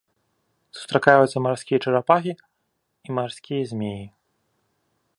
Сустракаюцца марскія чарапахі і марскія змеі.